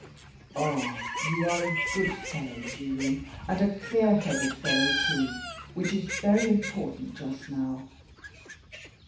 "Ah! you are a good fellow, Julian and a clear headed fellow too, which is very important just now.